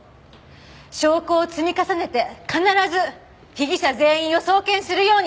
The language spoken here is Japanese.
証拠を積み重ねて必ず被疑者全員を送検するように！